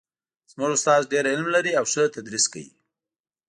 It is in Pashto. زموږ استاد ډېر علم لري او ښه تدریس کوي